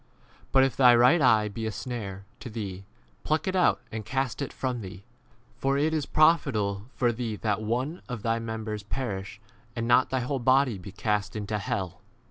But if thy right eye be a snare v to thee, pluck it out and cast it from thee : for it is profitable for thee that one of thy members perish, and not thy whole body be cast 30 into hell.